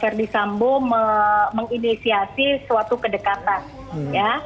ferdisambo menginisiasi suatu kedekatan